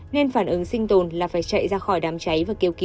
nên phản ứng sinh tồn là phải chạy ra khỏi đám cháy